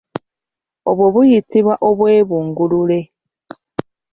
Obwo buyitibwa obwebungulule.